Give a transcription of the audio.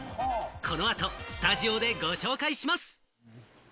この後、スタジオでご紹介します。